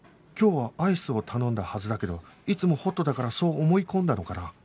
今日はアイスを頼んだはずだけどいつもホットだからそう思い込んだのかな？